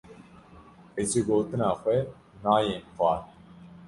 Ez ji gotina xwe nayêm xwar.